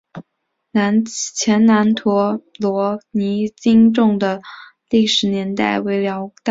前南庄陀罗尼经幢的历史年代为辽代。